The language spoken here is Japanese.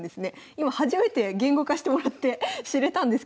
今初めて言語化してもらって知れたんですけど。